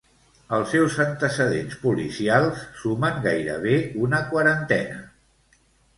Els seus antecedents policials sumen gairebé una quarantena.